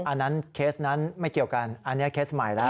อันนั้นเคสนั้นไม่เกี่ยวกันอันนี้เคสใหม่แล้ว